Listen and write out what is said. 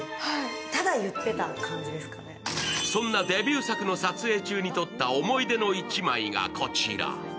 そんなデビュー作の撮影中に撮った思い出の１枚がこちら。